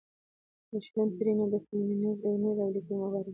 له شلمې پېړۍ نه د فيمينزم عملي او ليکنۍ مبارزه